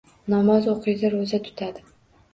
Namoz o‘qiydi, ro‘za tutadi.